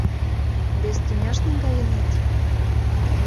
Вес тӱняш наҥгайынет?